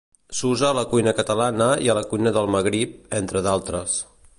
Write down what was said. S'usa a la cuina catalana i a la cuina del Magrib, entre d'altres.